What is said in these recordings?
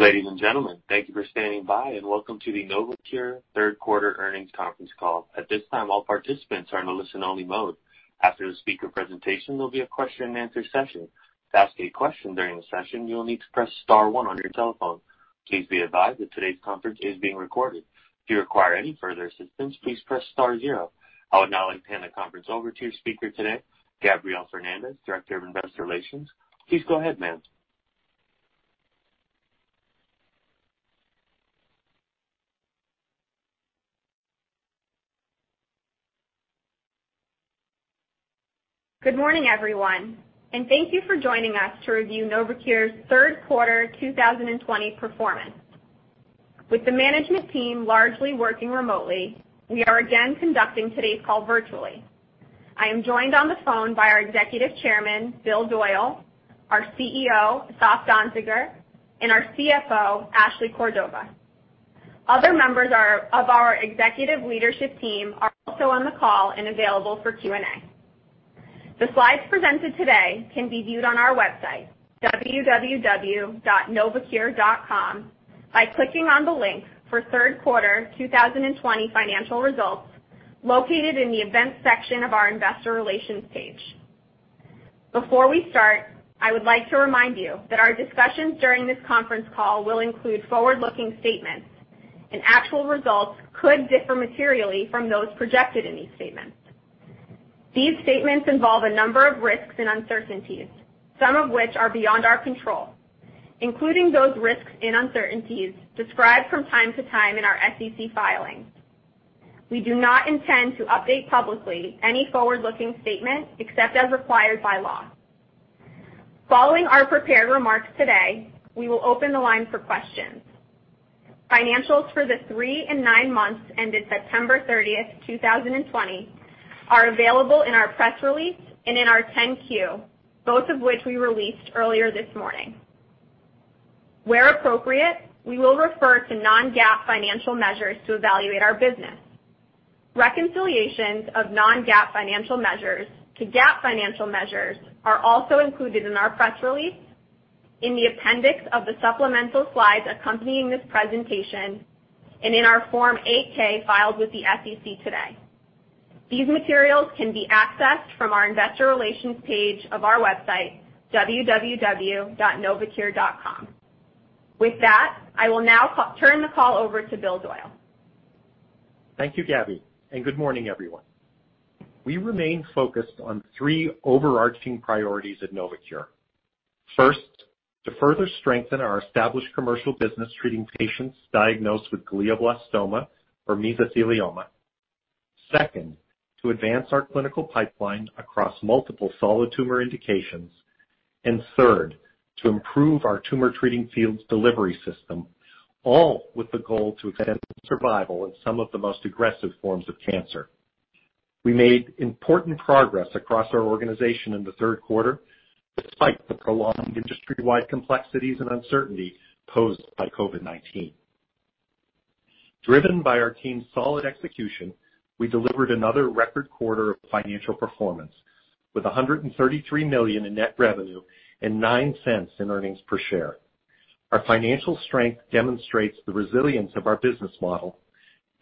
Ladies and gentlemen, thank you for standing by, and welcome to the Novocure Third Quarter Earnings Conference Call. At this time, all participants are in a listen-only mode. After the speaker presentation, there'll be a question-and-answer session. To ask a question during the session, you'll need to press star one on your telephone. Please be advised that today's conference is being recorded. If you require any further assistance, please press star zero. I would now like to hand the conference over to your speaker today, Gabrielle Fernandes, Director of Investor Relations. Please go ahead, ma'am. Good morning, everyone, and thank you for joining us to review Novocure's Third Quarter 2020 performance. With the management team largely working remotely, we are again conducting today's call virtually. I am joined on the phone by our Executive Chairman, Bill Doyle, our CEO, Asaf Danziger, and our CFO, Ashley Cordova. Other members of our executive leadership team are also on the call and available for Q&A. The slides presented today can be viewed on our website, www.novocure.com, by clicking on the link for Third Quarter 2020 financial results located in the events section of our Investor Relations page. Before we start, I would like to remind you that our discussions during this conference call will include forward-looking statements, and actual results could differ materially from those projected in these statements. These statements involve a number of risks and uncertainties, some of which are beyond our control, including those risks and uncertainties described from time to time in our SEC filings. We do not intend to update publicly any forward-looking statement except as required by law. Following our prepared remarks today, we will open the line for questions. Financials for the three and nine months ended September 30, 2020, are available in our press release and in our 10-Q, both of which we released earlier this morning. Where appropriate, we will refer to non-GAAP financial measures to evaluate our business. Reconciliations of non-GAAP financial measures to GAAP financial measures are also included in our press release, in the appendix of the supplemental slides accompanying this presentation, and in our Form 8-K filed with the SEC today. These materials can be accessed from our Investor Relations page of our website, www.novocure.com. With that, I will now turn the call over to Bill Doyle. Thank you, Gabby, and good morning, everyone. We remain focused on three overarching priorities at Novocure. First, to further strengthen our established commercial business treating patients diagnosed with glioblastoma or mesothelioma. Second, to advance our clinical pipeline across multiple solid tumor indications. And third, to improve our Tumor Treating Fields' delivery system, all with the goal to extend survival in some of the most aggressive forms of cancer. We made important progress across our organization in the third quarter, despite the prolonged industry-wide complexities and uncertainty posed by COVID-19. Driven by our team's solid execution, we delivered another record quarter of financial performance with $133 million in net revenue and $0.09 in earnings per share. Our financial strength demonstrates the resilience of our business model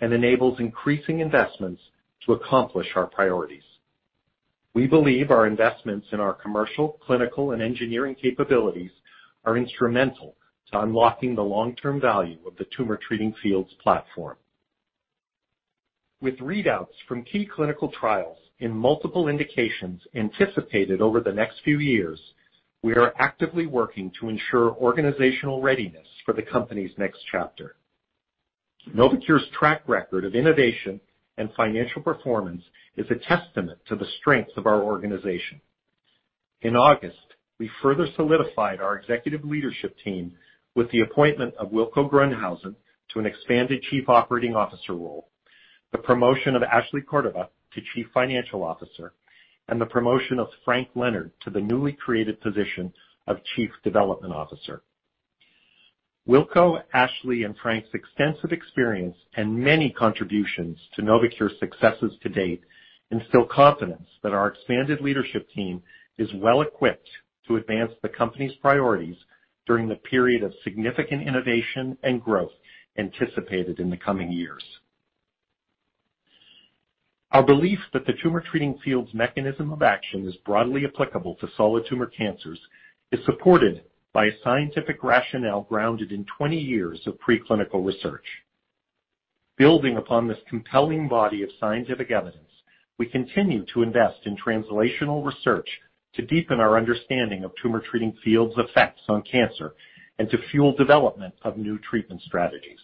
and enables increasing investments to accomplish our priorities. We believe our investments in our commercial, clinical, and engineering capabilities are instrumental to unlocking the long-term value of the Tumor Treating Fields' platform. With readouts from key clinical trials in multiple indications anticipated over the next few years, we are actively working to ensure organizational readiness for the company's next chapter. Novocure's track record of innovation and financial performance is a testament to the strength of our organization. In August, we further solidified our executive leadership team with the appointment of Wilco Groenhuysen to an expanded Chief Operating Officer role, the promotion of Ashley Cordova to Chief Financial Officer, and the promotion of Frank Leonard to the newly created position of Chief Development Officer. Wilco, Ashley, and Frank's extensive experience and many contributions to Novocure's successes to date instill confidence that our expanded leadership team is well equipped to advance the company's priorities during the period of significant innovation and growth anticipated in the coming years. Our belief that the Tumor Treating Fields' mechanism of action is broadly applicable to solid tumor cancers is supported by a scientific rationale grounded in 20 years of preclinical research. Building upon this compelling body of scientific evidence, we continue to invest in translational research to deepen our understanding of Tumor Treating Fields' effects on cancer and to fuel development of new treatment strategies.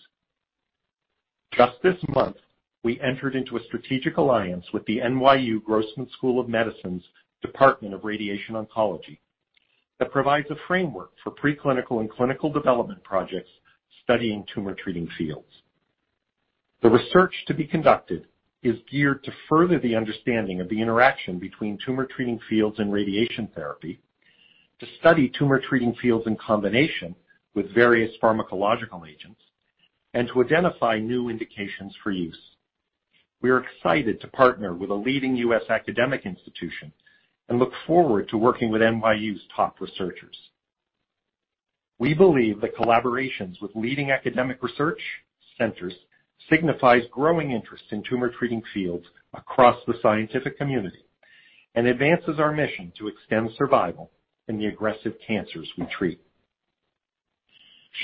Just this month, we entered into a strategic alliance with the NYU Grossman School of Medicine's Department of Radiation Oncology that provides a framework for preclinical and clinical development projects studying Tumor Treating Fields. The research to be conducted is geared to further the understanding of the interaction between Tumor Treating Fields and radiation therapy, to study Tumor Treating Fields in combination with various pharmacological agents, and to identify new indications for use. We are excited to partner with a leading U.S. academic institution and look forward to working with NYU's top researchers. We believe that collaborations with leading academic research centers signify growing interest in Tumor Treating Fields across the scientific community and advances our mission to extend survival in the aggressive cancers we treat.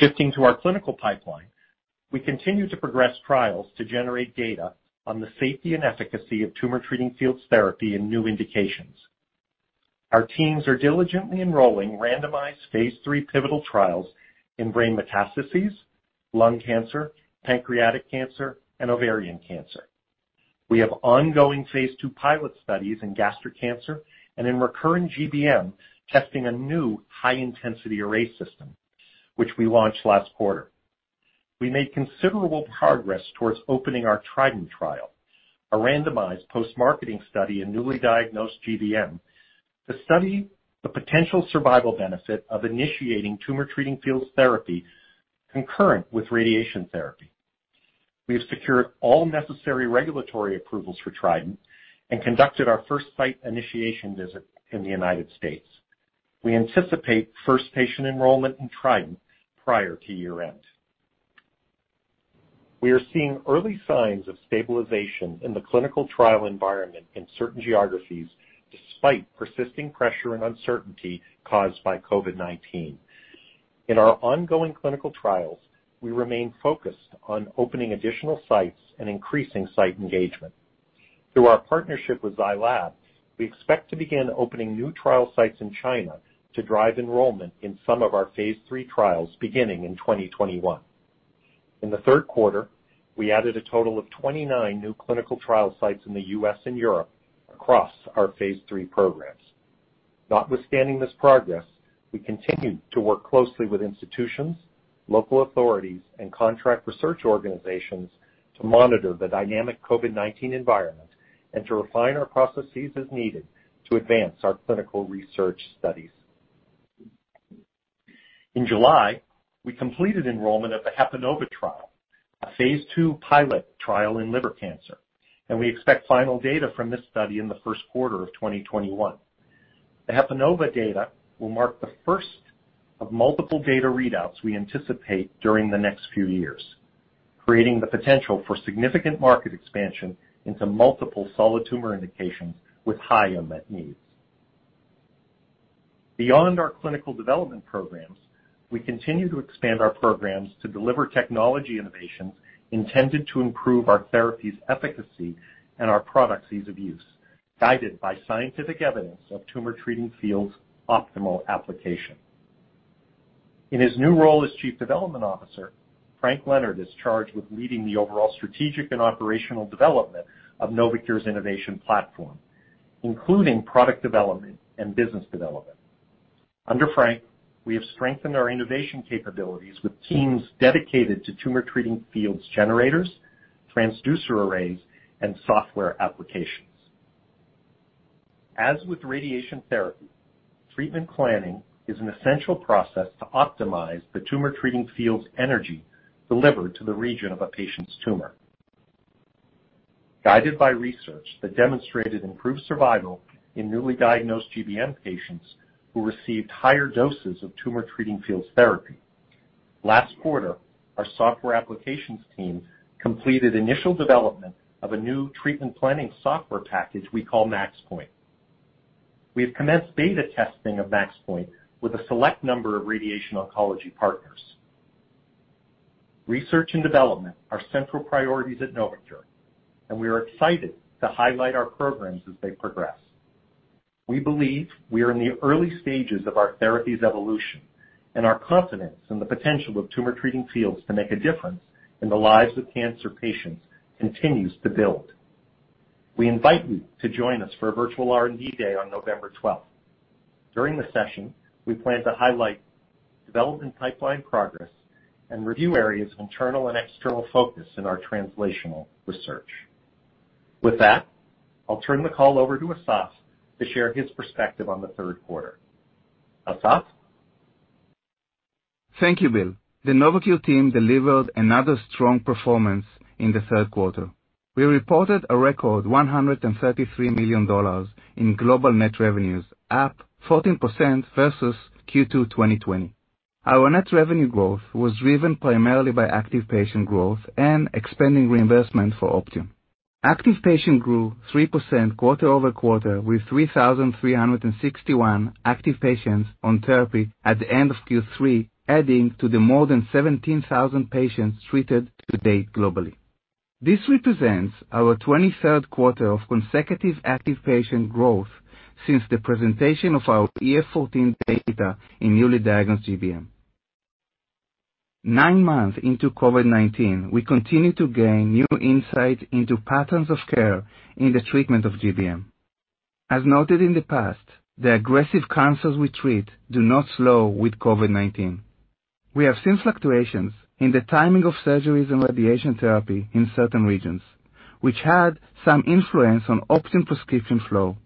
Shifting to our clinical pipeline, we continue to progress trials to generate data on the safety and efficacy of Tumor Treating Fields therapy in new indications. Our teams are diligently enrolling randomized Phase III pivotal trials in brain metastases, lung cancer, pancreatic cancer, and ovarian cancer. We have ongoing phase II pilot studies in gastric cancer and in recurrent GBM testing a new high-intensity array system, which we launched last quarter. We made considerable progress towards opening our TRIDENT trial, a randomized post-marketing study in newly diagnosed GBM, to study the potential survival benefit of initiating Tumor Treating Fields' therapy concurrent with radiation therapy. We have secured all necessary regulatory approvals for TRIDENT and conducted our first site initiation visit in the United States. We anticipate first patient enrollment in TRIDENT prior to year-end. We are seeing early signs of stabilization in the clinical trial environment in certain geographies despite persisting pressure and uncertainty caused by COVID-19. In our ongoing clinical trials, we remain focused on opening additional sites and increasing site engagement. Through our partnership with Zai Lab, we expect to begin opening new trial sites in China to drive enrollment in some of our phase III trials beginning in 2021. In the third quarter, we added a total of 29 new clinical trial sites in the U.S. and Europe across our phase III programs. Notwithstanding this progress, we continue to work closely with institutions, local authorities, and contract research organizations to monitor the dynamic COVID-19 environment and to refine our processes as needed to advance our clinical research studies. In July, we completed enrollment of the HEPANOVA trial, a phase II pilot trial in liver cancer, and we expect final data from this study in the first quarter of 2021. The HEPANOVA data will mark the first of multiple data readouts we anticipate during the next few years, creating the potential for significant market expansion into multiple solid tumor indications with high unmet needs. Beyond our clinical development programs, we continue to expand our programs to deliver technology innovations intended to improve our therapies' efficacy and our products' ease of use, guided by scientific evidence of Tumor Treating Fields' optimal application. In his new role as Chief Development Officer, Frank Leonard is charged with leading the overall strategic and operational development of Novocure's innovation platform, including product development and business development. Under Frank, we have strengthened our innovation capabilities with teams dedicated to Tumor Treating Fields' generators, transducer arrays, and software applications. As with radiation therapy, treatment planning is an essential process to optimize the Tumor Treating Fields' energy delivered to the region of a patient's tumor, guided by research that demonstrated improved survival in newly diagnosed GBM patients who received higher doses of Tumor Treating Fields' therapy. Last quarter, our software applications team completed initial development of a new treatment planning software package we call MaxPoint. We have commenced beta testing of MaxPoint with a select number of radiation oncology partners. Research and development are central priorities at Novocure, and we are excited to highlight our programs as they progress. We believe we are in the early stages of our therapies' evolution, and our confidence in the potential of Tumor Treating Fields to make a difference in the lives of cancer patients continues to build. We invite you to join us for a virtual R&D day on November 12. During the session, we plan to highlight development pipeline progress and review areas of internal and external focus in our translational research. With that, I'll turn the call over to Asaf to share his perspective on the third quarter. Asaf? Thank you, Bill. The Novocure team delivered another strong performance in the third quarter. We reported a record $133 million in global net revenues, up 14% versus Q2 2020. Our net revenue growth was driven primarily by active patient growth and expanding reimbursement for Optune. Active patient grew 3% quarter-over-quarter with 3,361 active patients on therapy at the end of Q3, adding to the more than 17,000 patients treated to date globally. This represents our 23rd quarter of consecutive active patient growth since the presentation of our EF-14 data in newly diagnosed GBM. Nine months into COVID-19, we continue to gain new insight into patterns of care in the treatment of GBM. As noted in the past, the aggressive cancers we treat do not slow with COVID-19. We have seen fluctuations in the timing of surgeries and radiation therapy in certain regions, which had some influence on Optune prescription flow.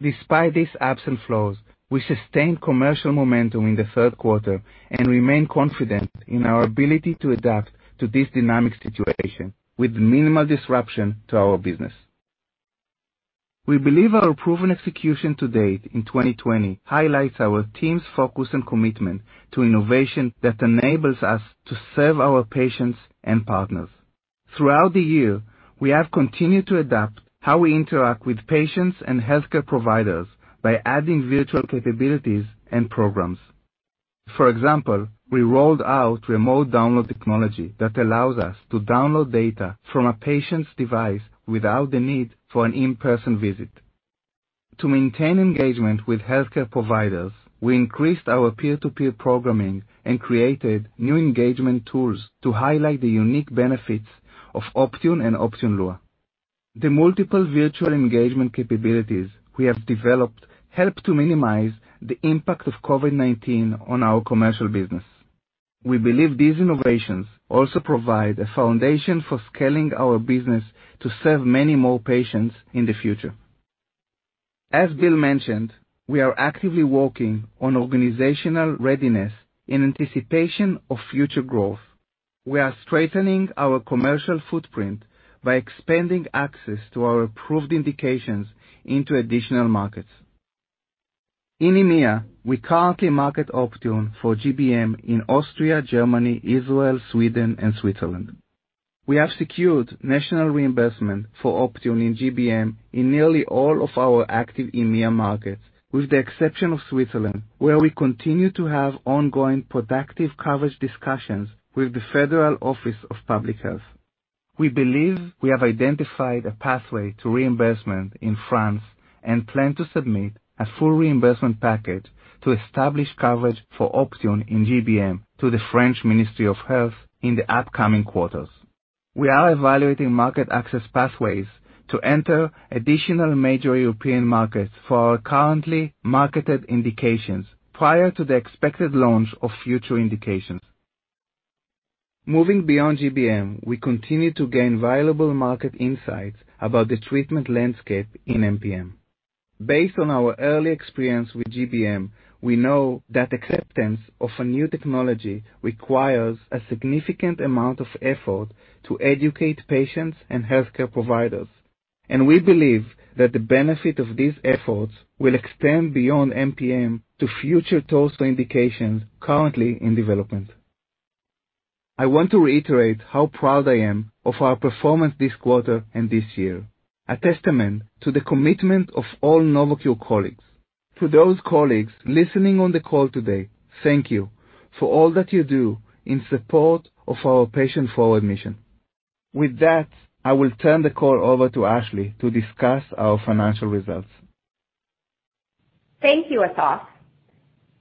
Despite these absent flows, we sustained commercial momentum in the third quarter and remain confident in our ability to adapt to this dynamic situation with minimal disruption to our business. We believe our proven execution to date in 2020 highlights our team's focus and commitment to innovation that enables us to serve our patients and partners. Throughout the year, we have continued to adapt how we interact with patients and healthcare providers by adding virtual capabilities and programs. For example, we rolled out remote download technology that allows us to download data from a patient's device without the need for an in-person visit. To maintain engagement with healthcare providers, we increased our peer-to-peer programming and created new engagement tools to highlight the unique benefits of Optune and Optune Lua. The multiple virtual engagement capabilities we have developed help to minimize the impact of COVID-19 on our commercial business. We believe these innovations also provide a foundation for scaling our business to serve many more patients in the future. As Bill mentioned, we are actively working on organizational readiness in anticipation of future growth. We are strengthening our commercial footprint by expanding access to our approved indications into additional markets. In EMEA, we currently market Optune for GBM in Austria, Germany, Israel, Sweden, and Switzerland. We have secured national reimbursement for Optune in GBM in nearly all of our active EMEA markets, with the exception of Switzerland, where we continue to have ongoing productive coverage discussions with the Federal Office of Public Health. We believe we have identified a pathway to reimbursement in France and plan to submit a full reimbursement package to establish coverage for Optune in GBM to the French Ministry of Health in the upcoming quarters. We are evaluating market access pathways to enter additional major European markets for our currently marketed indications prior to the expected launch of future indications. Moving beyond GBM, we continue to gain valuable market insights about the treatment landscape in MPM. Based on our early experience with GBM, we know that acceptance of a new technology requires a significant amount of effort to educate patients and healthcare providers, and we believe that the benefit of these efforts will extend beyond MPM to future tools for indications currently in development. I want to reiterate how proud I am of our performance this quarter and this year, a testament to the commitment of all Novocure colleagues. To those colleagues listening on the call today, thank you for all that you do in support of our patient forward mission. With that, I will turn the call over to Ashley to discuss our financial results. Thank you, Asaf.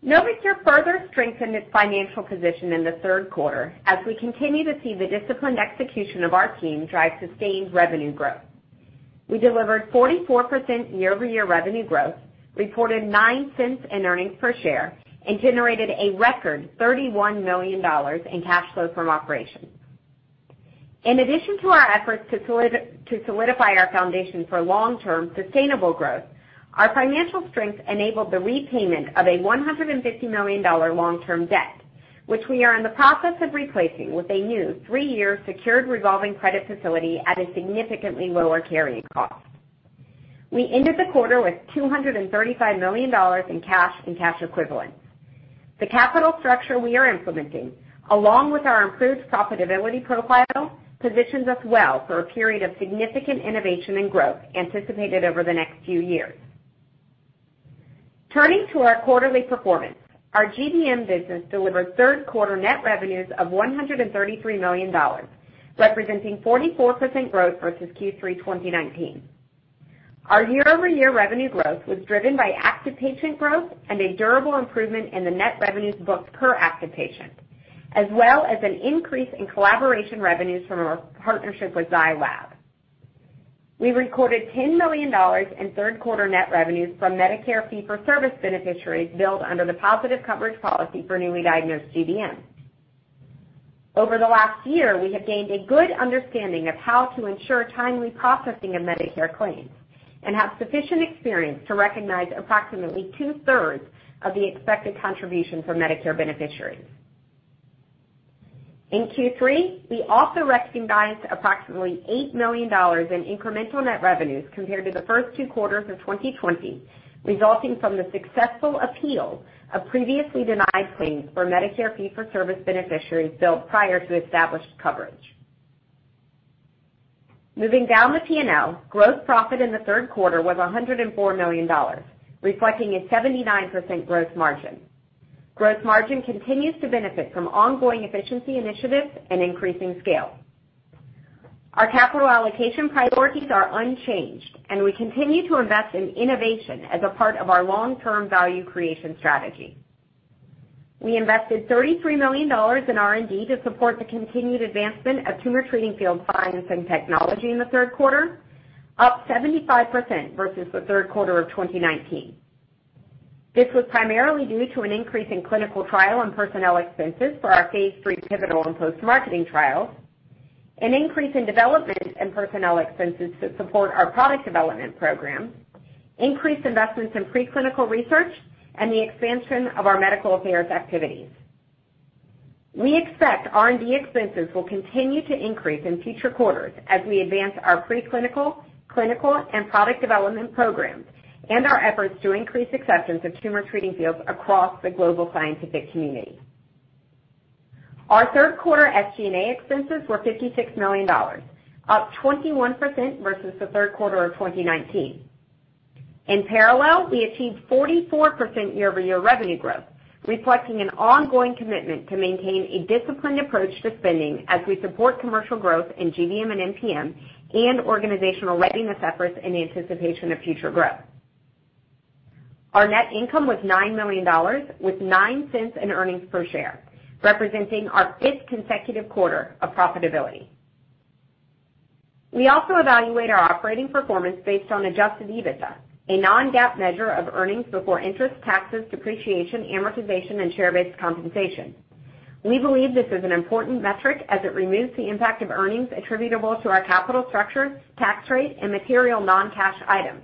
Novocure further strengthened its financial position in the third quarter as we continue to see the disciplined execution of our team drive sustained revenue growth. We delivered 44% year-over-year revenue growth, reported $0.09 in earnings per share, and generated a record $31 million in cash flow from operations. In addition to our efforts to solidify our foundation for long-term sustainable growth, our financial strength enabled the repayment of a $150 million long-term debt, which we are in the process of replacing with a new three-year secured revolving credit facility at a significantly lower carrying cost. We ended the quarter with $235 million in cash and cash equivalents. The capital structure we are implementing, along with our improved profitability profile, positions us well for a period of significant innovation and growth anticipated over the next few years. Turning to our quarterly performance, our GBM business delivered third quarter net revenues of $133 million, representing 44% growth versus Q3 2019. Our year-over-year revenue growth was driven by active patient growth and a durable improvement in the net revenues booked per active patient, as well as an increase in collaboration revenues from our partnership with Zai Lab. We recorded $10 million in third quarter net revenues from Medicare fee-for-service beneficiaries billed under the positive coverage policy for newly diagnosed GBM. Over the last year, we have gained a good understanding of how to ensure timely processing of Medicare claims and have sufficient experience to recognize approximately two-thirds of the expected contribution for Medicare beneficiaries. In Q3, we also recognized approximately $8 million in incremental net revenues compared to the first two quarters of 2020, resulting from the successful appeal of previously denied claims for Medicare fee-for-service beneficiaries billed prior to established coverage. Moving down the P&L, gross profit in the third quarter was $104 million, reflecting a 79% gross margin. Gross margin continues to benefit from ongoing efficiency initiatives and increasing scale. Our capital allocation priorities are unchanged, and we continue to invest in innovation as a part of our long-term value creation strategy. We invested $33 million in R&D to support the continued advancement of tumor treating field science and technology in the third quarter, up 75% versus the third quarter of 2019. This was primarily due to an increase in clinical trial and personnel expenses for our Phase III pivotal and post-marketing trials, an increase in development and personnel expenses to support our product development programs, increased investments in preclinical research, and the expansion of our medical affairs activities. We expect R&D expenses will continue to increase in future quarters as we advance our preclinical, clinical, and product development programs and our efforts to increase acceptance of Tumor Treating Fields across the global scientific community. Our third quarter SG&A expenses were $56 million, up 21% versus the third quarter of 2019. In parallel, we achieved 44% year-over-year revenue growth, reflecting an ongoing commitment to maintain a disciplined approach to spending as we support commercial growth in GBM and MPM and organizational readiness efforts in anticipation of future growth. Our net income was $9 million, with $0.09 in earnings per share, representing our fifth consecutive quarter of profitability. We also evaluate our operating performance based on adjusted EBITDA, a non-GAAP measure of earnings before interest, taxes, depreciation, amortization, and share-based compensation. We believe this is an important metric as it removes the impact of earnings attributable to our capital structure, tax rate, and material non-cash items,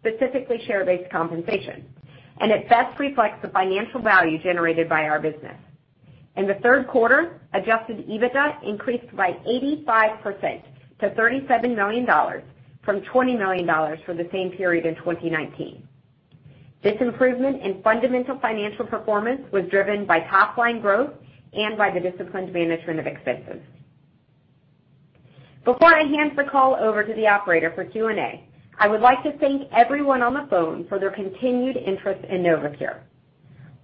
specifically share-based compensation, and it best reflects the financial value generated by our business. In the third quarter, adjusted EBITDA increased by 85% to $37 million from $20 million for the same period in 2019. This improvement in fundamental financial performance was driven by top-line growth and by the disciplined management of expenses. Before I hand the call over to the operator for Q&A, I would like to thank everyone on the phone for their continued interest in Novocure.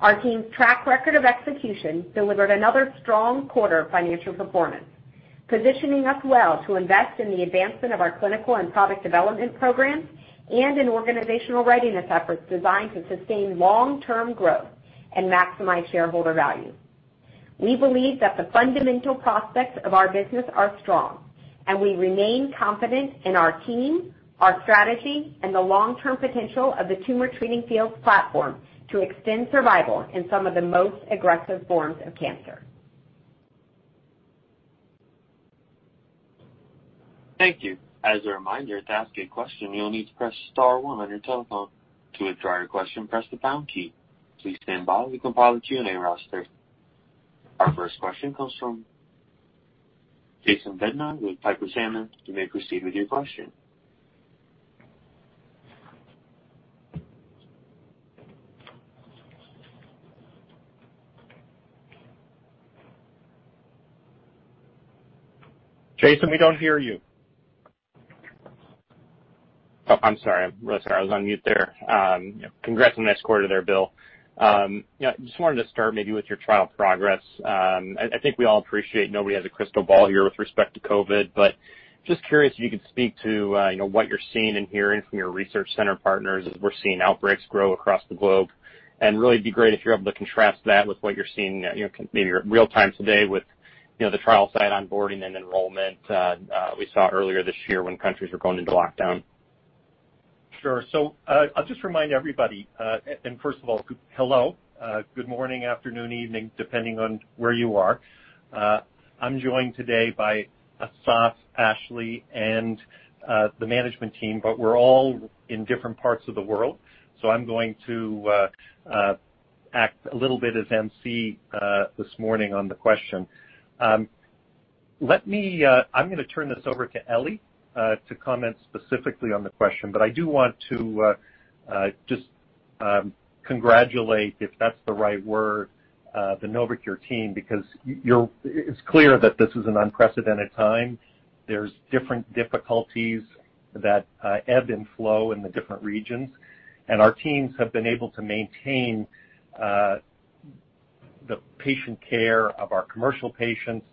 Our team's track record of execution delivered another strong quarter of financial performance, positioning us well to invest in the advancement of our clinical and product development programs and in organizational readiness efforts designed to sustain long-term growth and maximize shareholder value. We believe that the fundamental prospects of our business are strong, and we remain confident in our team, our strategy, and the long-term potential of the Tumor Treating Fields platform to extend survival in some of the most aggressive forms of cancer. Thank you. As a reminder, to ask a question, you'll need to press star one on your telephone. To withdraw your question, press the pound key. Please stand by while we compile the Q&A roster. Our first question comes from Jason Bednar with Piper Sandler. You may proceed with your question. Jason, we don't hear you. Oh, I'm sorry. I'm really sorry. I was on mute there. Congrats on the next quarter there, Bill. I just wanted to start maybe with your trial progress. I think we all appreciate nobody has a crystal ball here with respect to COVID, but just curious if you could speak to what you're seeing and hearing from your research center partners as we're seeing outbreaks grow across the globe, and really, it'd be great if you're able to contrast that with what you're seeing maybe real-time today with the trial site onboarding and enrollment we saw earlier this year when countries were going into lockdown. Sure. So I'll just remind everybody, and first of all, hello, good morning, afternoon, evening, depending on where you are. I'm joined today by Asaf, Ashley, and the management team, but we're all in different parts of the world, so I'm going to act a little bit as MC this morning on the question. I'm going to turn this over to Ely to comment specifically on the question, but I do want to just congratulate, if that's the right word, the Novocure team because it's clear that this is an unprecedented time. There's different difficulties that ebb and flow in the different regions, and our teams have been able to maintain the patient care of our commercial patients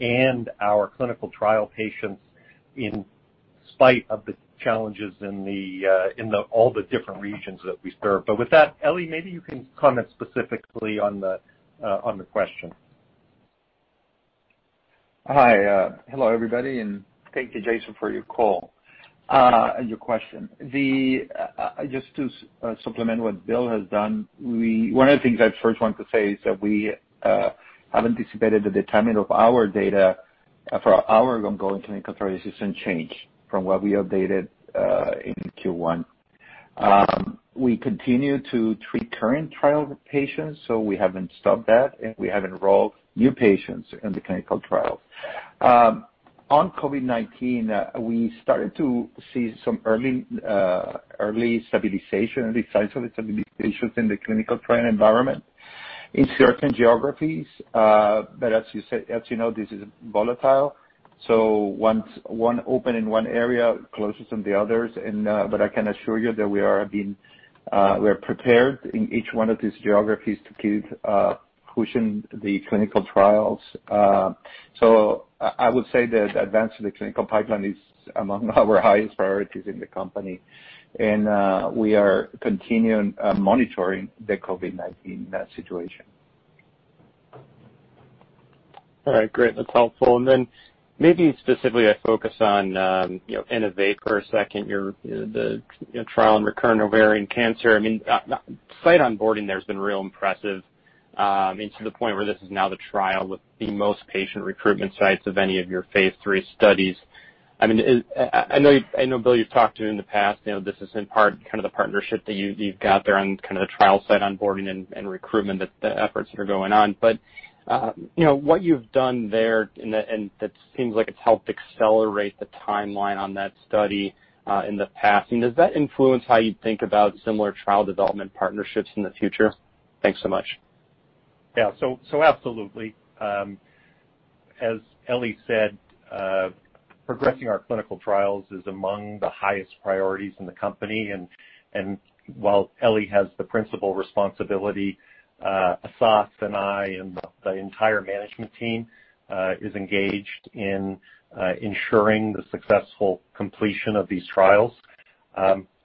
and our clinical trial patients in spite of the challenges in all the different regions that we serve. But with that, Ely, maybe you can comment specifically on the question. Hi. Hello, everybody, and thank you, Jason, for your call and your question. Just to supplement what Bill has done, one of the things I first want to say is that we have anticipated the determination of our data for our ongoing clinical trial hasn't changed from what we updated in Q1. We continue to treat current trial patients, so we haven't stopped that, and we have enrolled new patients in the clinical trials. On COVID-19, we started to see some early stabilization, early signs of stabilization in the clinical trial environment in certain geographies, but as you know, this is volatile. So one opens in one area, closes in the others, but I can assure you that we are prepared in each one of these geographies to keep pushing the clinical trials. So I would say that the advance of the clinical pipeline is among our highest priorities in the company, and we are continuing monitoring the COVID-19 situation. All right. Great. That's helpful. And then maybe specifically, I focus on INNOVATE for a second, the trial in recurrent ovarian cancer. I mean, site onboarding there has been real impressive to the point where this is now the trial with the most patient recruitment sites of any of your phase III studies. I mean, I know, Bill, you've talked to in the past. This is in part kind of the partnership that you've got there on kind of the trial site onboarding and recruitment, the efforts that are going on. But what you've done there, and that seems like it's helped accelerate the timeline on that study in the past, does that influence how you think about similar trial development partnerships in the future? Thanks so much. Yeah. So, absolutely. As Ely said, progressing our clinical trials is among the highest priorities in the company. And while Ely has the principal responsibility, Asaf and I and the entire management team are engaged in ensuring the successful completion of these trials.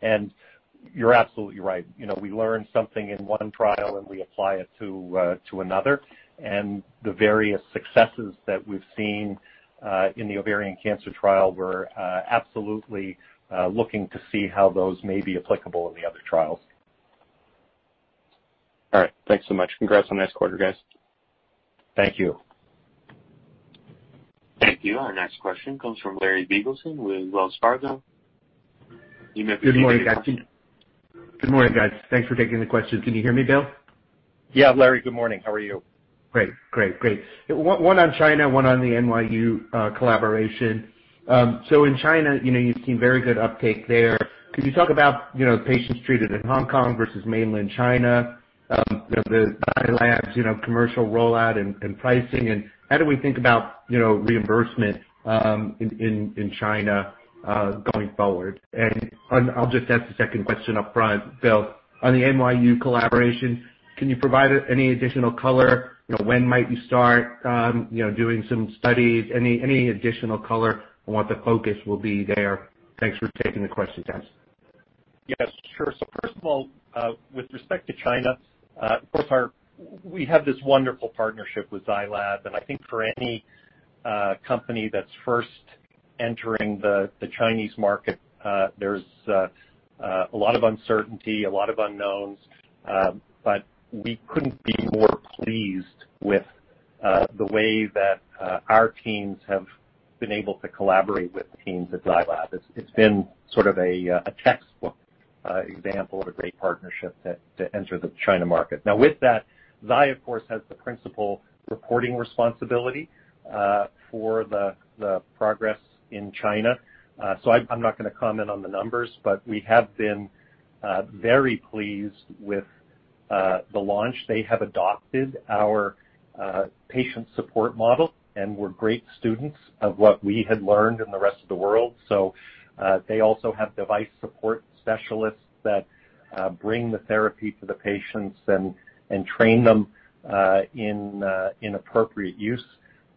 And you're absolutely right. We learn something in one trial, and we apply it to another. And the various successes that we've seen in the ovarian cancer trial, we're absolutely looking to see how those may be applicable in the other trials. All right. Thanks so much. Congrats on the next quarter, guys. Thank you. Thank you. Our next question comes from Larry Biegelsen with Wells Fargo. You may proceed. Good morning, Ashley. Good morning, guys. Thanks for taking the question. Can you hear me, Bill? Yeah. Larry, good morning. How are you? Great. Great. Great. One on China, one on the NYU collaboration. So in China, you've seen very good uptake there. Can you talk about patients treated in Hong Kong versus mainland China, Zai Lab's commercial rollout, and pricing, and how do we think about reimbursement in China going forward? And I'll just ask the second question upfront, Bill. On the NYU collaboration, can you provide any additional color? When might you start doing some studies? Any additional color on what the focus will be there? Thanks for taking the question, guys. Yes. Sure. So first of all, with respect to China, of course, we have this wonderful partnership with Zai Lab, and I think for any company that's first entering the Chinese market, there's a lot of uncertainty, a lot of unknowns, but we couldn't be more pleased with the way that our teams have been able to collaborate with teams at Zai Lab. It's been sort of a textbook example of a great partnership to enter the China market. Now, with that, Zai Lab, of course, has the principal reporting responsibility for the progress in China. So I'm not going to comment on the numbers, but we have been very pleased with the launch. They have adopted our patient support model, and we're great students of what we had learned in the rest of the world. They also have device support specialists that bring the therapy to the patients and train them in appropriate use.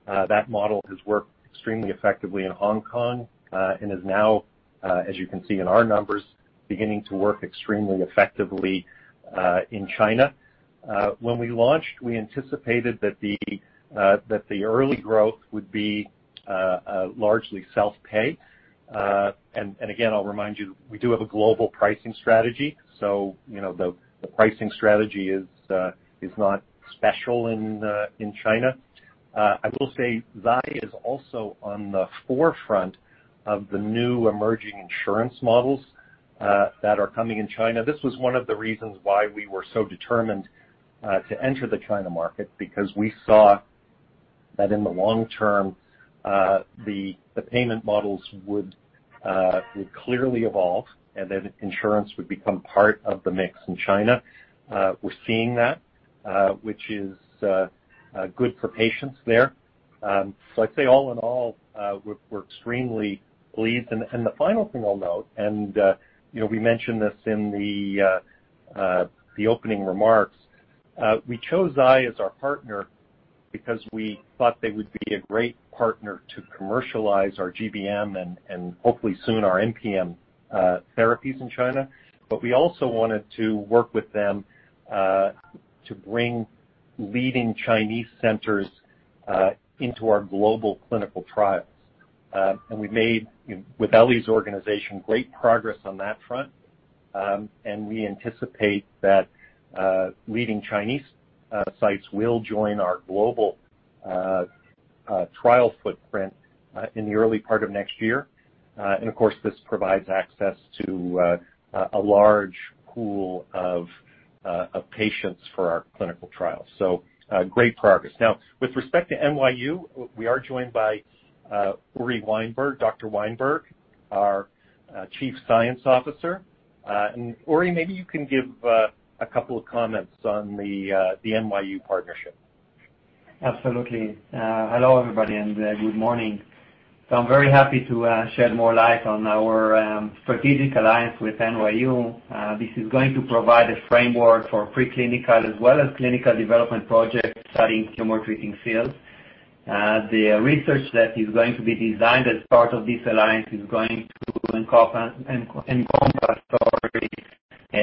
That model has worked extremely effectively in Hong Kong and is now, as you can see in our numbers, beginning to work extremely effectively in China. When we launched, we anticipated that the early growth would be largely self-pay. And again, I'll remind you, we do have a global pricing strategy, so the pricing strategy is not special in China. I will say Zai Lab is also on the forefront of the new emerging insurance models that are coming in China. This was one of the reasons why we were so determined to enter the China market because we saw that in the long term, the payment models would clearly evolve, and then insurance would become part of the mix in China. We're seeing that, which is good for patients there. So I'd say all in all, we're extremely pleased. And the final thing I'll note, and we mentioned this in the opening remarks, we chose Zai Lab as our partner because we thought they would be a great partner to commercialize our GBM and hopefully soon our MPM therapies in China. But we also wanted to work with them to bring leading Chinese centers into our global clinical trials. And we made, with Ely's organization, great progress on that front, and we anticipate that leading Chinese sites will join our global trial footprint in the early part of next year. And of course, this provides access to a large pool of patients for our clinical trials. So great progress. Now, with respect to NYU, we are joined by Dr. Weinberg, our Chief Science Officer. And Uri, maybe you can give a couple of comments on the NYU partnership. Absolutely. Hello, everybody, and good morning. So I'm very happy to shed more light on our strategic alliance with NYU. This is going to provide a framework for preclinical as well as clinical development projects studying tumor treating fields. The research that is going to be designed as part of this alliance is going to encompass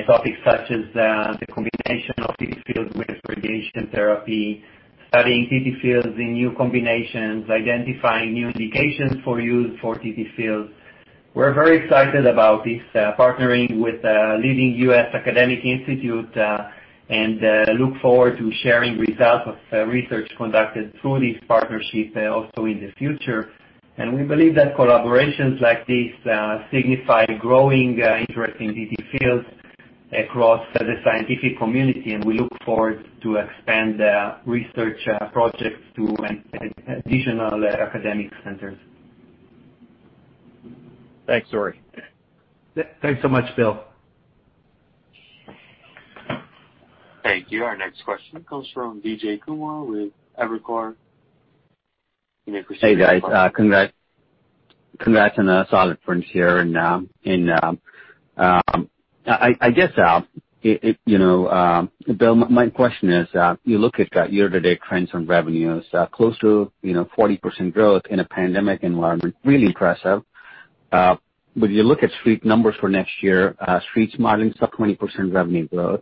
topics such as the combination of TTFields with radiation therapy, studying TTFields in new combinations, identifying new indications for use for TTFields. We're very excited about this partnering with a leading U.S. academic institute and look forward to sharing results of research conducted through this partnership also in the future. And we believe that collaborations like this signify growing interest in TTFields across the scientific community, and we look forward to expand the research projects to additional academic centers. Thanks, Uri. Thanks so much, Bill. Thank you. Our next question comes from Vijay Kumar with Evercore ISI. You may proceed with your question. Hey, guys. Congrats on the solid prints here and now. And I guess, Bill, my question is, you look at year-to-date trends on revenues, close to 40% growth in a pandemic environment, really impressive. But you look at street numbers for next year, streets modeling sub-20% revenue growth.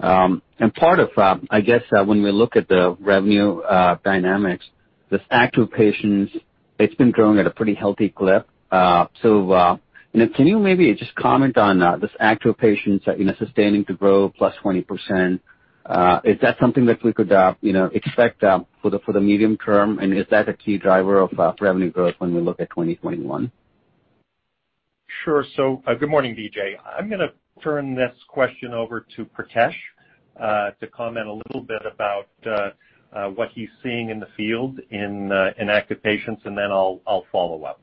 And part of, I guess, when we look at the revenue dynamics, this active patients, it's been growing at a pretty healthy clip. So can you maybe just comment on this active patients sustaining to grow +20%? Is that something that we could expect for the medium term, and is that a key driver of revenue growth when we look at 2021? Sure. So good morning, Vijay. I'm going to turn this question over to Pritesh to comment a little bit about what he's seeing in the field in active patients, and then I'll follow up.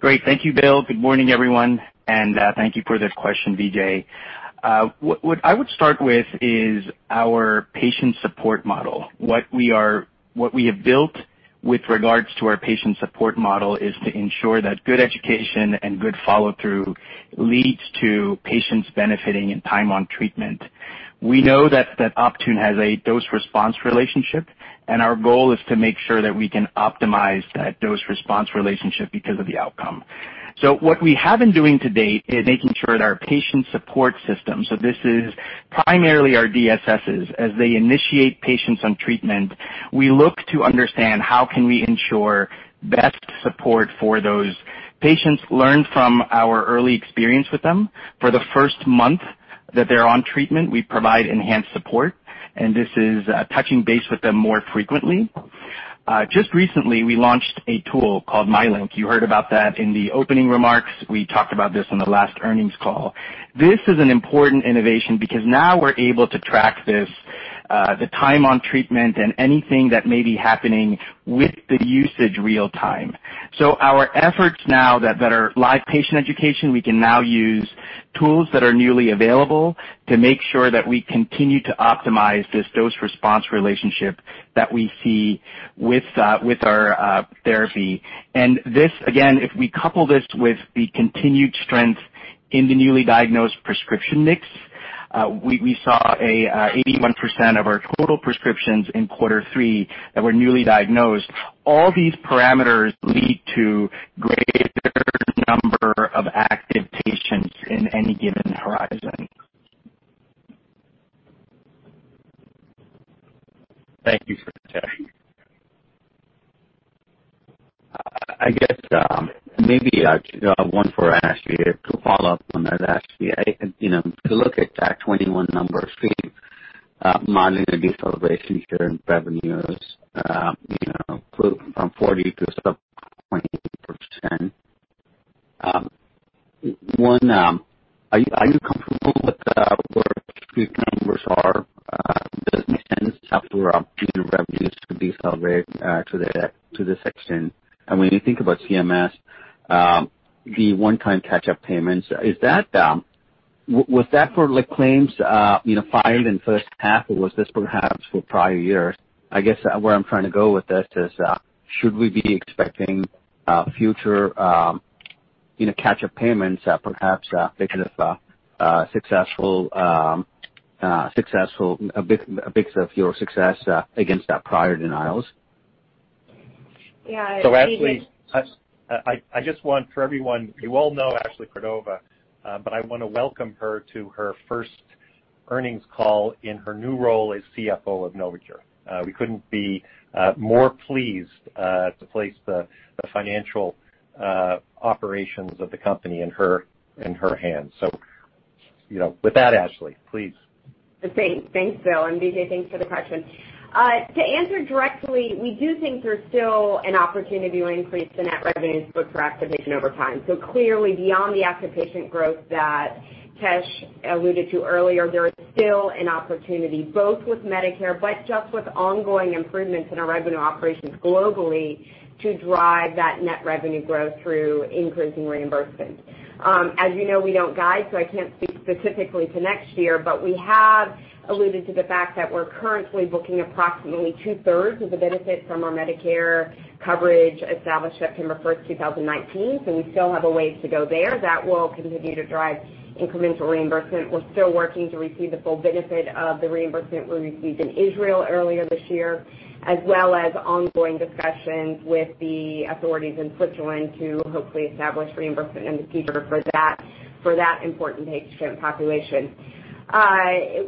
Great. Thank you, Bill. Good morning, everyone. And thank you for this question, Vijay. What I would start with is our patient support model. What we have built with regards to our patient support model is to ensure that good education and good follow-through leads to patients benefiting in time on treatment. We know that Optune has a dose-response relationship, and our goal is to make sure that we can optimize that dose-response relationship because of the outcome. So what we have been doing to date is making sure that our patient support systems, so this is primarily our DSSs, as they initiate patients on treatment, we look to understand how can we ensure best support for those patients. Learned from our early experience with them, for the first month that they're on treatment, we provide enhanced support, and this is touching base with them more frequently. Just recently, we launched a tool called MyLink. You heard about that in the opening remarks. We talked about this in the last earnings call. This is an important innovation because now we're able to track the time on treatment and anything that may be happening with the usage real-time, so our efforts now that are live patient education, we can now use tools that are newly available to make sure that we continue to optimize this dose-response relationship that we see with our therapy, and this, again, if we couple this with the continued strength in the newly diagnosed prescription mix, we saw 81% of our total prescriptions in quarter three that were newly diagnosed. All these parameters lead to a greater number of active patients in any given horizon. Thank you, Pritesh. I guess maybe one for Ashley to follow up on that. Ashley, to look at that 21 number, modeling the deceleration here in revenues from 40 to sub-20%. One, are you comfortable with where street numbers are? Does it make sense after revenues could be accelerated to this extent? And when you think about CMS, the one-time catch-up payments, was that for claims filed in the first half, or was this perhaps for prior years? I guess where I'm trying to go with this is, should we be expecting future catch-up payments that perhaps because of successful, a big of your success against prior denials? Yeah. So Ashley, I just want for everyone, you all know Ashley Cordova, but I want to welcome her to her first earnings call in her new role as CFO of Novocure. We couldn't be more pleased to place the financial operations of the company in her hands. So with that, Ashley, please. Thanks, Bill. And Vijay, thanks for the question. To answer directly, we do think there's still an opportunity to increase the net revenues for activation over time. So clearly, beyond the active patient growth that Pritesh alluded to earlier, there is still an opportunity both with Medicare, but just with ongoing improvements in our revenue operations globally to drive that net revenue growth through increasing reimbursement. As you know, we don't guide, so I can't speak specifically to next year, but we have alluded to the fact that we're currently booking approximately 2/3 of the benefit from our Medicare coverage established September 1st, 2019. So we still have a ways to go there. That will continue to drive incremental reimbursement. We're still working to receive the full benefit of the reimbursement we received in Israel earlier this year, as well as ongoing discussions with the authorities in Switzerland to hopefully establish reimbursement in the future for that important patient population.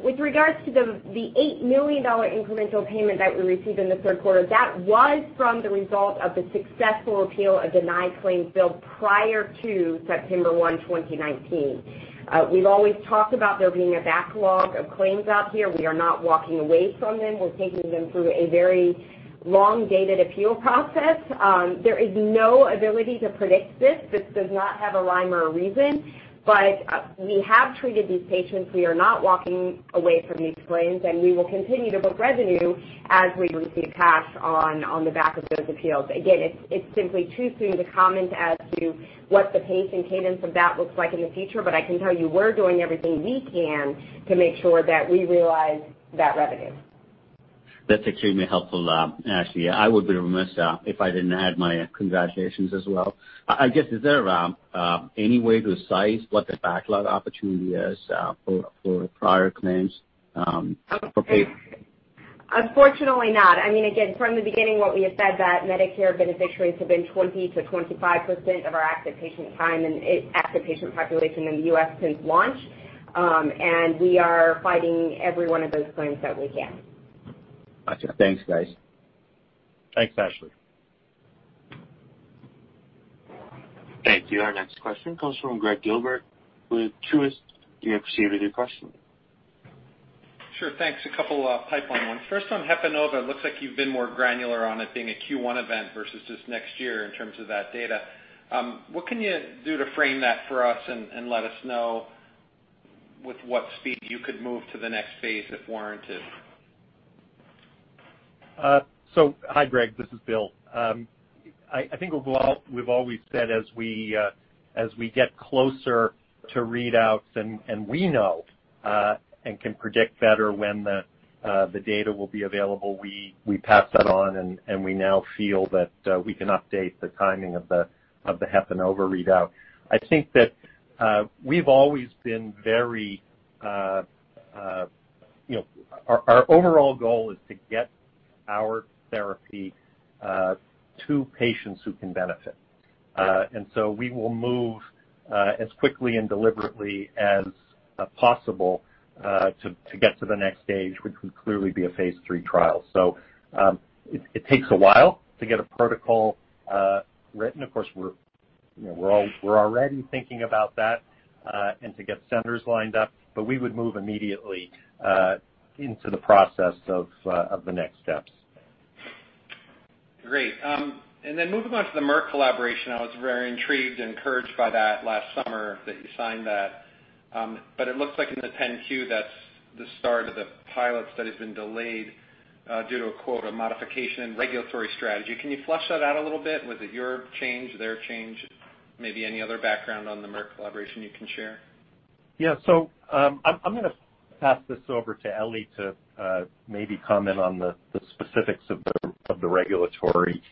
With regards to the $8 million incremental payment that we received in the third quarter, that was from the result of the successful appeal of denied claims billed prior to September 1, 2019. We've always talked about there being a backlog of claims out here. We are not walking away from them. We're taking them through a very long-dated appeal process. There is no ability to predict this. This does not have a rhyme or a reason, but we have treated these patients. We are not walking away from these claims, and we will continue to book revenue as we receive cash on the back of those appeals. Again, it's simply too soon to comment as to what the pace and cadence of that looks like in the future, but I can tell you we're doing everything we can to make sure that we realize that revenue. That's extremely helpful, Ashley. I would be remiss if I didn't add my congratulations as well. I guess, is there any way to size what the backlog opportunity is for prior claims? Unfortunately, not. I mean, again, from the beginning, what we have said that Medicare beneficiaries have been 20%-25% of our active patient time and active patient population in the U.S. since launch, and we are fighting every one of those claims that we can. Gotcha. Thanks, guys. Thanks, Ashley. Thank you. Our next question comes from Gregg Gilbert with Truist. You may proceed with your question. Sure. Thanks. A couple of pipeline ones. First, I'm happy to know that it looks like you've been more granular on it being a Q1 event versus just next year in terms of that data. What can you do to frame that for us and let us know with what speed you could move to the next phase if warranted? So hi, Gregg. This is Bill. I think we've always said as we get closer to readouts and we know and can predict better when the data will be available, we pass that on, and we now feel that we can update the timing of the HEPANOVA readout. I think that we've always been very our overall goal is to get our therapy to patients who can benefit. And so we will move as quickly and deliberately as possible to get to the next stage, which would clearly be a phase three trial. So it takes a while to get a protocol written. Of course, we're already thinking about that and to get centers lined up, but we would move immediately into the process of the next steps. Great, and then moving on to the Merck collaboration, I was very intrigued and encouraged by that last summer that you signed that, but it looks like in the 10-Q, that's the start of the pilot study that's been delayed due to, quote, "a modification in regulatory strategy." Can you flesh that out a little bit? Was it your change, their change, maybe any other background on the Merck collaboration you can share? Yeah. So I'm going to pass this over to Ely to maybe comment on the specifics of the regulatory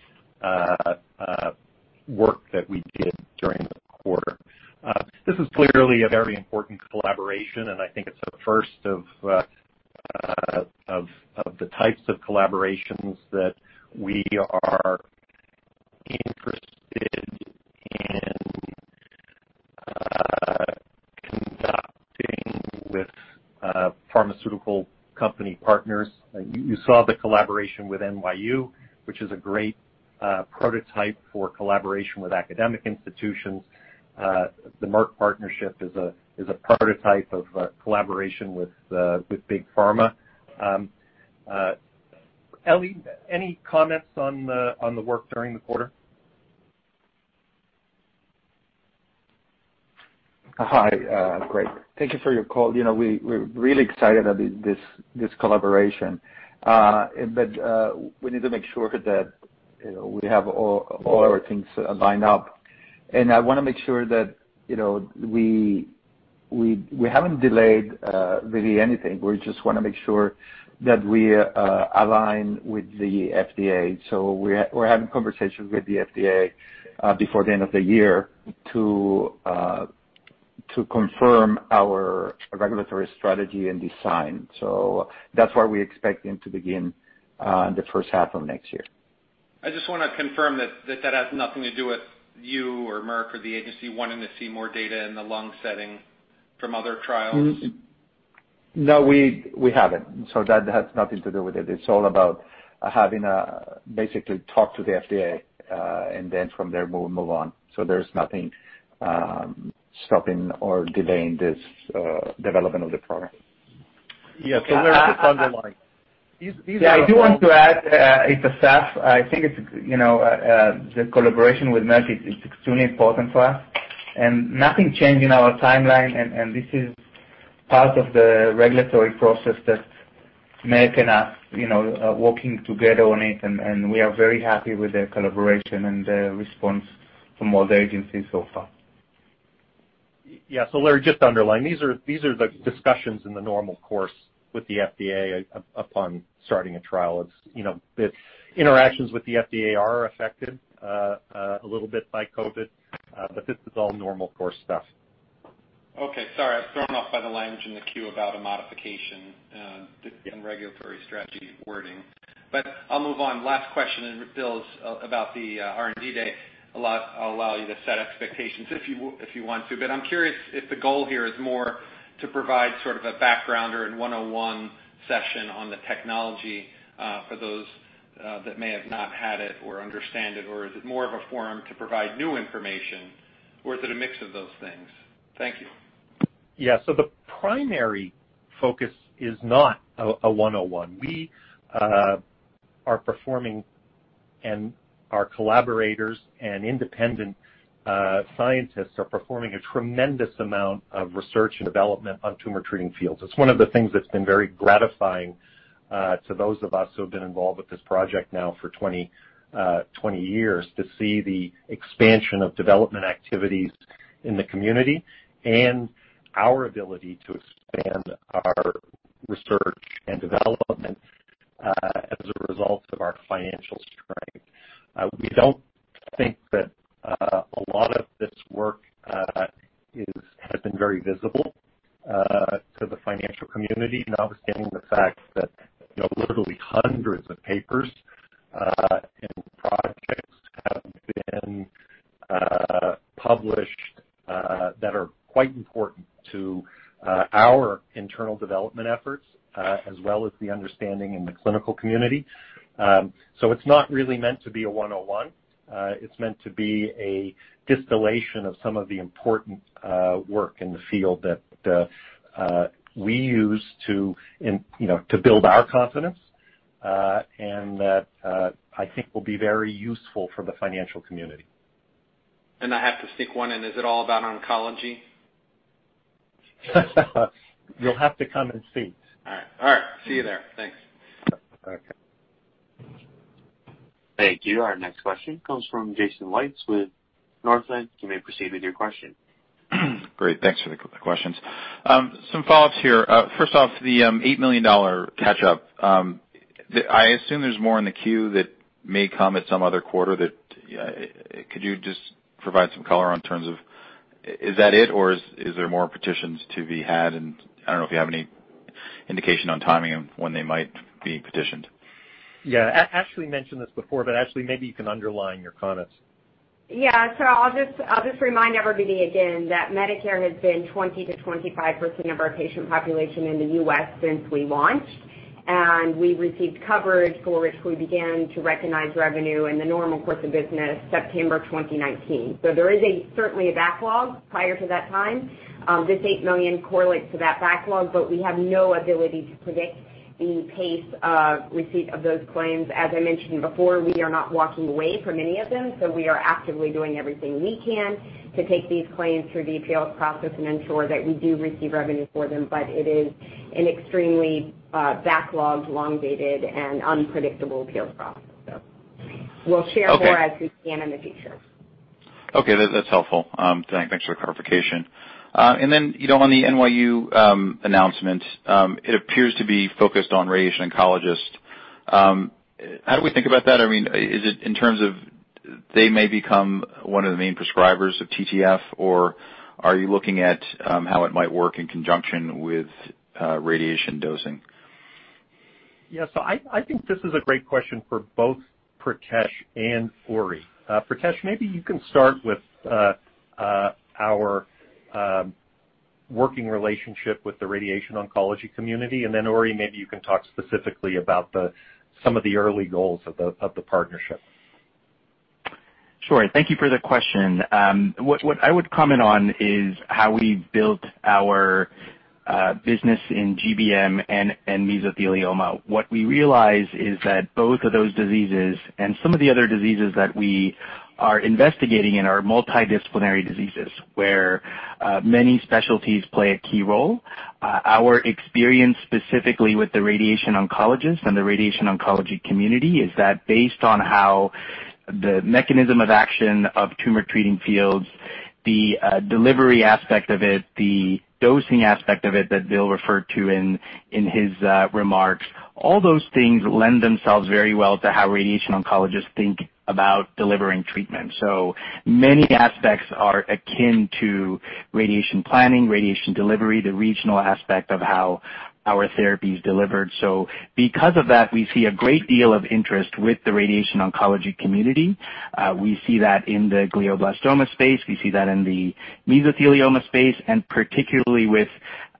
work that we did during the quarter. This is clearly a very important collaboration, and I think it's a first of the types of collaborations that we are interested in conducting with pharmaceutical company partners. You saw the collaboration with NYU, which is a great prototype for collaboration with academic institutions. The Merck partnership is a prototype of collaboration with Big Pharma. Ely, any comments on the work during the quarter? Hi, Gregg. Thank you for your call. We're really excited about this collaboration, but we need to make sure that we have all our things lined up, and I want to make sure that we haven't delayed really anything. We just want to make sure that we align with the FDA, so we're having conversations with the FDA before the end of the year to confirm our regulatory strategy and design, so that's why we're expecting to begin the first half of next year. I just want to confirm that that has nothing to do with you or Merck or the agency wanting to see more data in the lung setting from other trials. No, we haven't. So that has nothing to do with it. It's all about having basically talk to the FDA, and then from there, we'll move on. So there's nothing stopping or delaying this development of the program. Yeah, so where is this underlying? Yeah. I do want to add, it's a SAF. I think the collaboration with Merck is extremely important for us. And nothing changed in our timeline, and this is part of the regulatory process that Merck and us are working together on it, and we are very happy with the collaboration and the response from all the agencies so far. Yeah. So just underlying, these are the discussions in the normal course with the FDA upon starting a trial. Interactions with the FDA are affected a little bit by COVID, but this is all normal course stuff. Okay. Sorry. I was thrown off by the language in the queue about a modification in regulatory strategy wording. But I'll move on. Last question, Bill, about the R&D day. I'll allow you to set expectations if you want to, but I'm curious if the goal here is more to provide sort of a background or a 101 session on the technology for those that may have not had it or understand it, or is it more of a forum to provide new information, or is it a mix of those things? Thank you. Yeah. So the primary focus is not a 101. We are performing, and our collaborators and independent scientists are performing a tremendous amount of research and development on Tumor Treating Fields. It's one of the things that's been very gratifying to those of us who have been involved with this project now for 20 years to see the expansion of development activities in the community and our ability to expand our research and development as a result of our financial strength. We don't think that a lot of this work has been very visible to the financial community, notwithstanding the fact that literally hundreds of papers and projects have been published that are quite important to our internal development efforts as well as the understanding in the clinical community. So it's not really meant to be a 101. It's meant to be a distillation of some of the important work in the field that we use to build our confidence and that I think will be very useful for the financial community. I have to sneak one in. Is it all about oncology? You'll have to come and see. All right. All right. See you there. Thanks. Okay. Thank you. Our next question comes from Jason Wittes with Northland. You may proceed with your question. Great. Thanks for the questions. Some follow-ups here. First off, the $8 million catch-up. I assume there's more in the queue that may come at some other quarter. Could you just provide some color in terms of is that it, or is there more payments to be had? And I don't know if you have any indication on timing of when they might be paid. Yeah. Ashley mentioned this before, but Ashley, maybe you can underline your comments. Yeah. So I'll just remind everybody again that Medicare has been 20%-25% of our patient population in the U.S. since we launched, and we received coverage for which we began to recognize revenue in the normal course of business, September 2019. So there is certainly a backlog prior to that time. This $8 million correlates to that backlog, but we have no ability to predict the pace of receipt of those claims. As I mentioned before, we are not walking away from any of them. So we are actively doing everything we can to take these claims through the appeals process and ensure that we do receive revenue for them, but it is an extremely backlogged, long-dated, and unpredictable appeals process. So we'll share more as we can in the future. Okay. That's helpful. Thanks for the clarification. And then on the NYU announcement, it appears to be focused on radiation oncologists. How do we think about that? I mean, is it in terms of they may become one of the main prescribers of TTF, or are you looking at how it might work in conjunction with radiation dosing? Yeah. So I think this is a great question for both Pritesh and Uri. Pritesh, maybe you can start with our working relationship with the radiation oncology community, and then Uri, maybe you can talk specifically about some of the early goals of the partnership. Sure. Thank you for the question. What I would comment on is how we've built our business in GBM and mesothelioma. What we realize is that both of those diseases and some of the other diseases that we are investigating in are multidisciplinary diseases where many specialties play a key role. Our experience specifically with the radiation oncologists and the radiation oncology community is that based on how the mechanism of action of Tumor Treating Fields, the delivery aspect of it, the dosing aspect of it that Bill referred to in his remarks, all those things lend themselves very well to how radiation oncologists think about delivering treatment. So many aspects are akin to radiation planning, radiation delivery, the regional aspect of how our therapy is delivered. So because of that, we see a great deal of interest with the radiation oncology community. We see that in the glioblastoma space. We see that in the mesothelioma space, and particularly with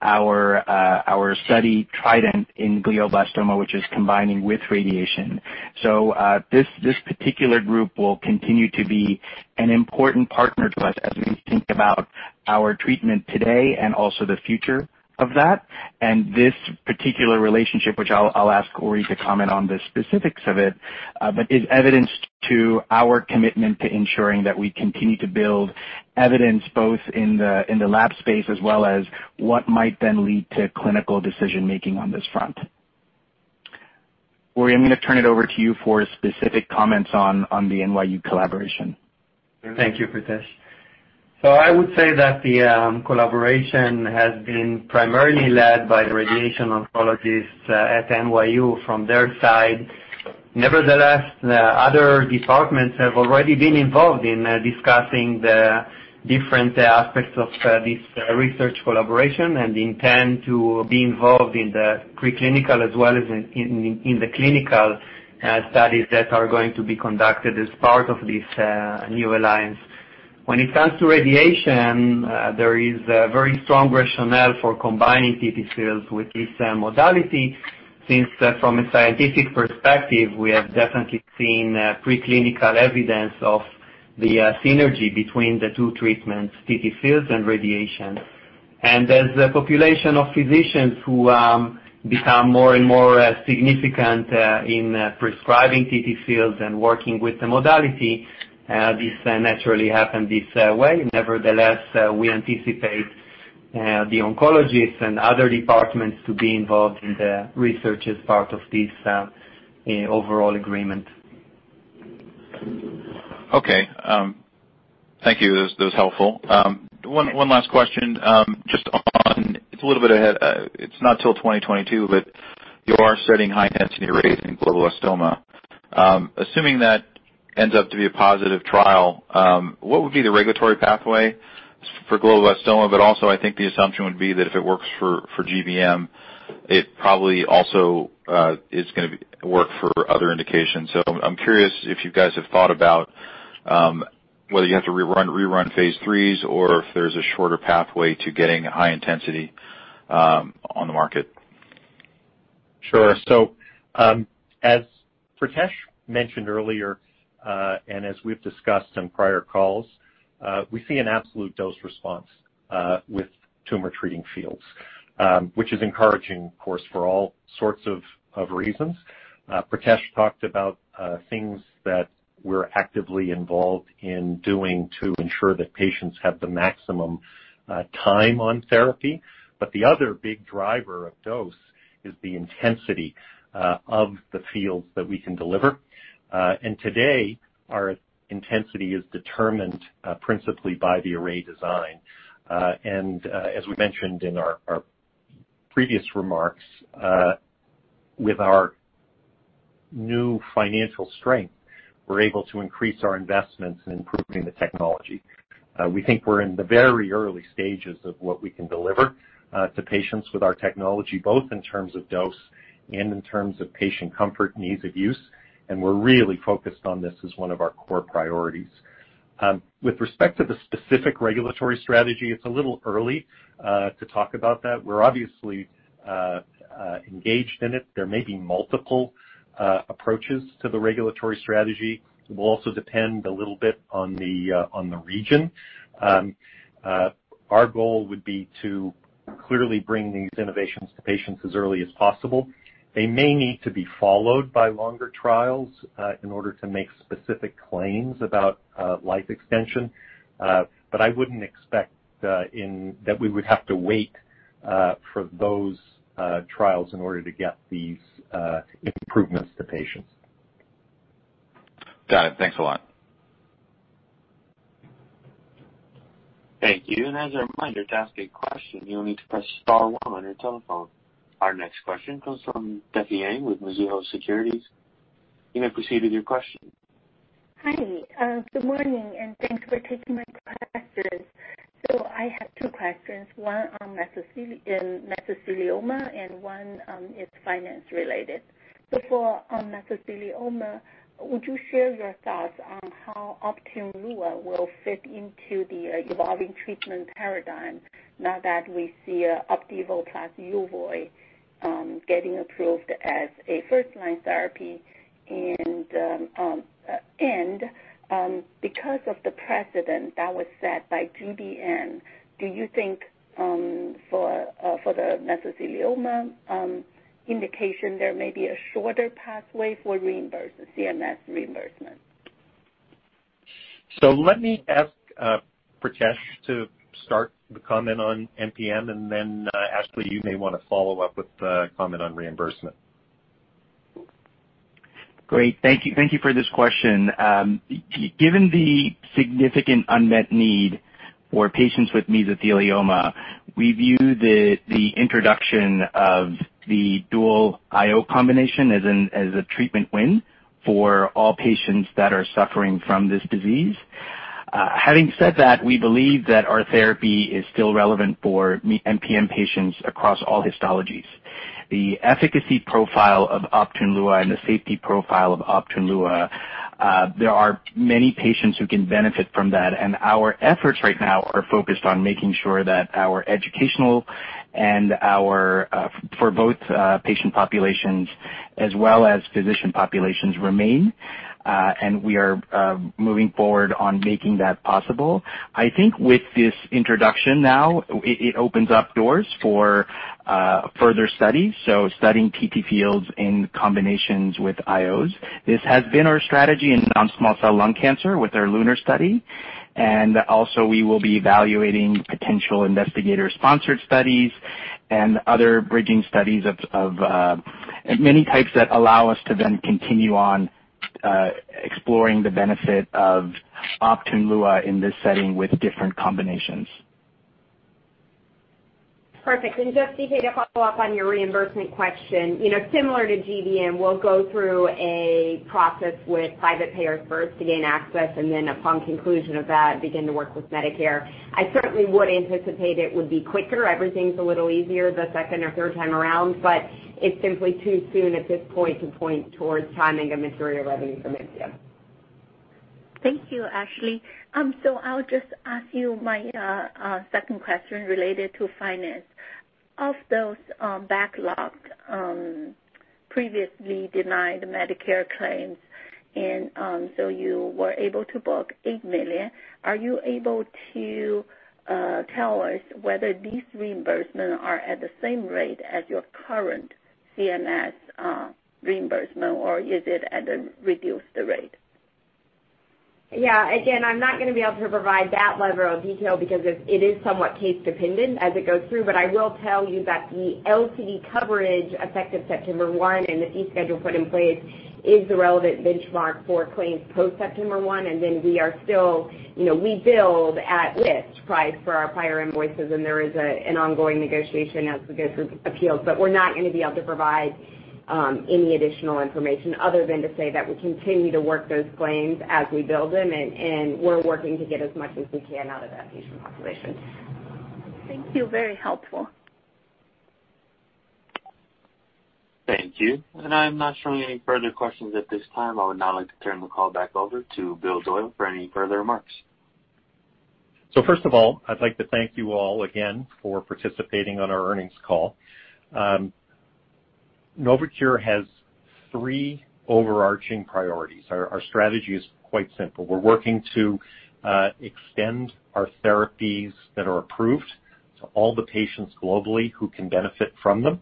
our study TRIDENT in glioblastoma, which is combining with radiation, so this particular group will continue to be an important partner to us as we think about our treatment today and also the future of that, and this particular relationship, which I'll ask Uri to comment on the specifics of it, but is evidence to our commitment to ensuring that we continue to build evidence both in the lab space as well as what might then lead to clinical decision-making on this front. Uri, I'm going to turn it over to you for specific comments on the NYU collaboration. Thank you, Pritesh. So I would say that the collaboration has been primarily led by the radiation oncologists at NYU from their side. Nevertheless, other departments have already been involved in discussing the different aspects of this research collaboration and intend to be involved in the preclinical as well as in the clinical studies that are going to be conducted as part of this new alliance. When it comes to radiation, there is a very strong rationale for combining TTFields with this modality since from a scientific perspective, we have definitely seen preclinical evidence of the synergy between the two treatments, TTFields and radiation. And as the population of physicians who become more and more significant in prescribing TTFields and working with the modality, this naturally happens this way. Nevertheless, we anticipate the oncologists and other departments to be involved in the research as part of this overall agreement. Okay. Thank you. That was helpful. One last question just on it’s a little bit ahead. It’s not till 2022, but you are studying high-intensity radiation in glioblastoma. Assuming that ends up to be a positive trial, what would be the regulatory pathway for glioblastoma? But also, I think the assumption would be that if it works for GBM, it probably also is going to work for other indications. So I’m curious if you guys have thought about whether you have to rerun phase threes or if there’s a shorter pathway to getting high-intensity on the market. Sure. So as Pritesh mentioned earlier and as we've discussed in prior calls, we see an absolute dose response with Tumor Treating Fields, which is encouraging, of course, for all sorts of reasons. Pritesh talked about things that we're actively involved in doing to ensure that patients have the maximum time on therapy. But the other big driver of dose is the intensity of the fields that we can deliver. And today, our intensity is determined principally by the array design. And as we mentioned in our previous remarks, with our new financial strength, we're able to increase our investments in improving the technology. We think we're in the very early stages of what we can deliver to patients with our technology, both in terms of dose and in terms of patient comfort and ease of use. And we're really focused on this as one of our core priorities. With respect to the specific regulatory strategy, it's a little early to talk about that. We're obviously engaged in it. There may be multiple approaches to the regulatory strategy. It will also depend a little bit on the region. Our goal would be to clearly bring these innovations to patients as early as possible. They may need to be followed by longer trials in order to make specific claims about life extension, but I wouldn't expect that we would have to wait for those trials in order to get these improvements to patients. Got it. Thanks a lot. Thank you. And as a reminder to ask a question, you'll need to press star one on your telephone. Our next question comes from Difei Yang with Mizuho Securities. You may proceed with your question. Hi. Good morning, and thanks for taking my questions. So I have two questions. One on mesothelioma and one is finance-related. So for mesothelioma, would you share your thoughts on how Optune Lua will fit into the evolving treatment paradigm now that we see Opdivo plus Yervoy getting approved as a first-line therapy? And because of the precedent that was set by GBM, do you think for the mesothelioma indication, there may be a shorter pathway for CMS reimbursement? So let me ask Pritesh to start the comment on MPM, and then Ashley, you may want to follow up with the comment on reimbursement. Great. Thank you. Thank you for this question. Given the significant unmet need for patients with mesothelioma, we view the introduction of the dual IO combination as a treatment win for all patients that are suffering from this disease. Having said that, we believe that our therapy is still relevant for MPM patients across all histologies. The efficacy profile of Optune Lua and the safety profile of Optune Lua, there are many patients who can benefit from that. Our efforts right now are focused on making sure that our educational and our for both patient populations as well as physician populations remain. We are moving forward on making that possible. I think with this introduction now, it opens up doors for further studies. Studying TTFields in combinations with IOs. This has been our strategy in non-small cell lung cancer with our LUNAR study. Also, we will be evaluating potential investigator-sponsored studies and other bridging studies of many types that allow us to then continue on exploring the benefit of Optune Lua in this setting with different combinations. Perfect. And just to follow up on your reimbursement question, similar to GBM, we'll go through a process with private payers first to gain access, and then upon conclusion of that, begin to work with Medicare. I certainly would anticipate it would be quicker. Everything's a little easier the second or third time around, but it's simply too soon at this point to point towards timing of material revenue from MPM. Thank you, Ashley. So I'll just ask you my second question related to finance. Of those backlogged previously denied Medicare claims, and so you were able to book $8 million, are you able to tell us whether these reimbursements are at the same rate as your current CMS reimbursement, or is it at a reduced rate? Yeah. Again, I'm not going to be able to provide that level of detail because it is somewhat case-dependent as it goes through. I will tell you that the LCD coverage effective September 1 and the fee schedule put in place is the relevant benchmark for claims post-September 1. And then we are still billing at list price for our prior invoices, and there is an ongoing negotiation as we go through appeals. But we're not going to be able to provide any additional information other than to say that we continue to work those claims as we bill them, and we're working to get as much as we can out of that patient population. Thank you. Very helpful. Thank you, and I'm not showing any further questions at this time. I would now like to turn the call back over to Bill Doyle for any further remarks. So first of all, I'd like to thank you all again for participating on our earnings call. Novocure has three overarching priorities. Our strategy is quite simple. We're working to extend our therapies that are approved to all the patients globally who can benefit from them.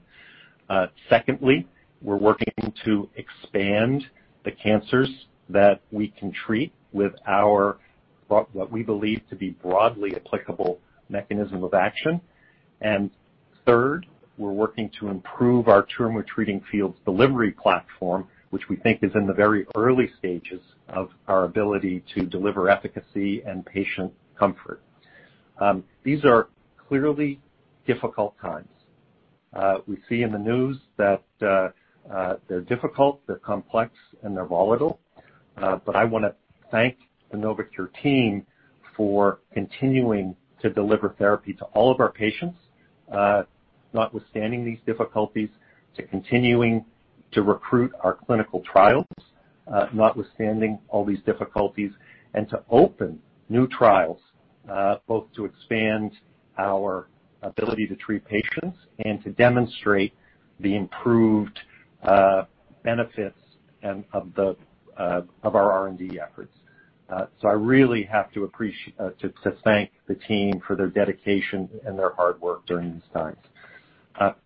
Secondly, we're working to expand the cancers that we can treat with our what we believe to be broadly applicable mechanism of action. And third, we're working to improve our Tumor Treating Fields delivery platform, which we think is in the very early stages of our ability to deliver efficacy and patient comfort. These are clearly difficult times. We see in the news that they're difficult, they're complex, and they're volatile. But I want to thank the Novocure team for continuing to deliver therapy to all of our patients, notwithstanding these difficulties, to continuing to recruit our clinical trials, notwithstanding all these difficulties, and to open new trials both to expand our ability to treat patients and to demonstrate the improved benefits of our R&D efforts. So I really have to thank the team for their dedication and their hard work during these times.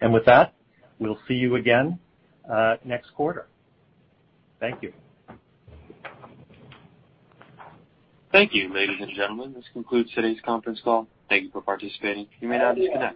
And with that, we'll see you again next quarter. Thank you. Thank you, ladies and gentlemen. This concludes today's conference call. Thank you for participating. You may now disconnect.